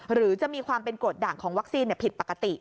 หรือจะมีความเป็นกรดด่างของวัคซีนผิดปกติ